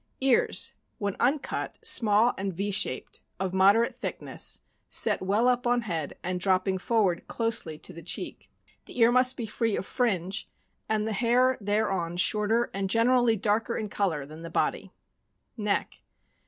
Ears. — When uncut, small and Y shaped, of moderate thickness, set well up on head and dropping forward closely to the cheek. The ear must be free of fringe, and the hair thereon shorter and generally darker in color than the body. Neck.